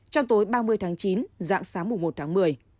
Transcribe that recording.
trong tối ba mươi tháng chín dạng sáng mùng một tháng một mươi